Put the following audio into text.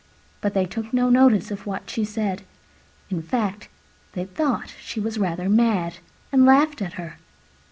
But they took no notice of what she said: in fact, they thought she was rather mad, and laughed at her.